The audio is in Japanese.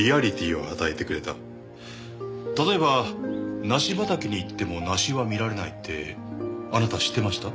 例えば梨畑に行っても梨は見られないってあなた知ってました？